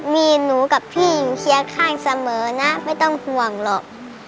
มีหนูกับพี่อยู่เชียร์ข้างเสมอนะไม่ต้องห่วงหรอก